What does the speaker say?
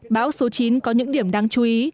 báo số chín có những điểm đáng chú ý